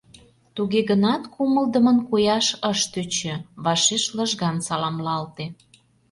Туге гынат кумылдымын кояш ыш тӧчӧ, вашеш лыжган саламлалте.